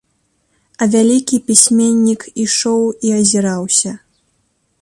А вялікі пісьменнік ішоў і азіраўся.